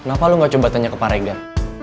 kenapa lu gak coba tanya ke pak regar